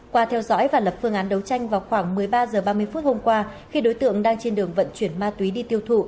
qua theo dõi và lập phương án đấu tranh vào khoảng một mươi ba h ba mươi phút hôm qua khi đối tượng đang trên đường vận chuyển ma túy đi tiêu thụ